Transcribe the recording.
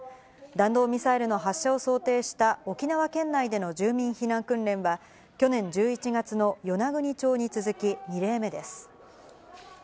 弾道ミサイルの発射を想定した沖縄県内での住民避難訓練は、去年１１月の与那国町に続き２例目です。